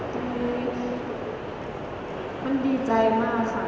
มันดีใจมากค่ะ